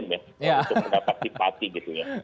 untuk mendapat simpati gitu ya